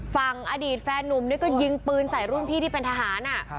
ฝั่งอดีตแฟนนุ่มนี่ก็ยิงปืนใส่รุ่นพี่ที่เป็นทหาร